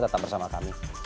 tetap bersama kami